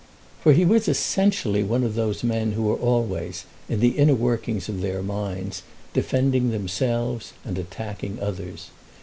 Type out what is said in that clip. For he was essentially one of those men who are always, in the inner workings of their minds, defending themselves and attacking others.